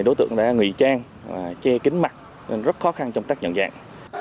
đối tượng đã nghỉ trang che kín mặt rất khó khăn trong tác nhận dạng